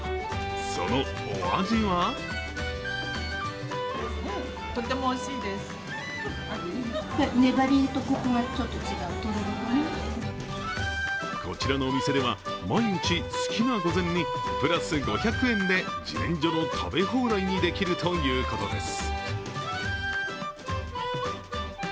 そのお味はこちらのお店では、毎日、好きな御膳にプラス５００円で自然薯の食べ放題にできるということです。